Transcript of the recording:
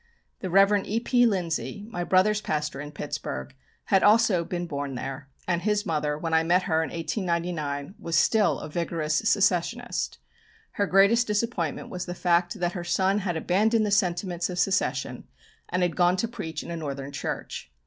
The Rev. E.P. Lindsay, my brother's pastor in Pittsburg, had also been born there, and his mother, when I met her in 1899, was still a vigorous Secessionist. Her greatest disappointment was the fact that her son had abandoned the sentiments of Secession and had gone to preach in a Northern church.